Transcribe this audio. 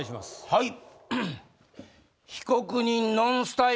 はい。